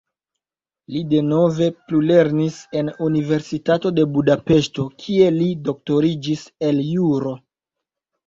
Li denove plulernis en Universitato de Budapeŝto, kie li doktoriĝis el juro.